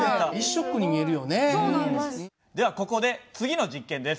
ではここで次の実験です。